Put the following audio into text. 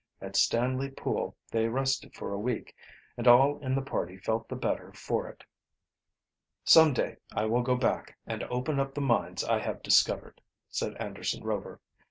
At Stanley Pool they rested for a week, and all in the party felt the better for it. "Some day I will go back and open up the mines I have discovered," said Anderson Rover.